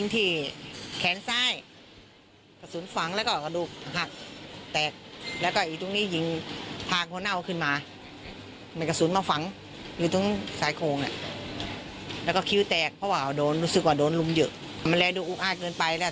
ตำรวจบอกว่ารู้ตัวแล้วนะคะว่าใครเป็นผู้ก่อเหตุ